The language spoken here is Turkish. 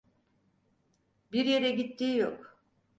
Bir yere gittiği yok.